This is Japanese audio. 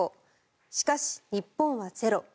しかし、日本はゼロ。